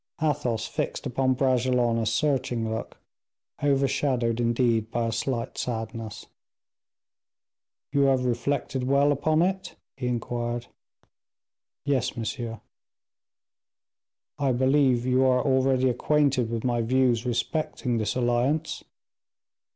Athos fixed upon Bragelonne a searching look, overshadowed indeed by a slight sadness. "You have reflected well upon it?" he inquired. "Yes, monsieur." "I believe you are already acquainted with my views respecting this alliance?"